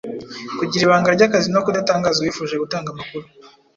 Kugira ibanga ry’akazi no kudatangaza uwifuje gutanga amakuru,